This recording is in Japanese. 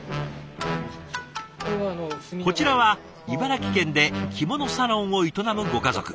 こちらは茨城県で着物サロンを営むご家族。